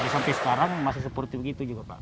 sampai sekarang masih seperti begitu juga pak